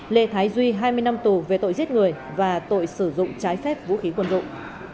lê thái duy hai mươi năm tù về tội giết người và tội sử dụng trái phép vũ khí quân dụng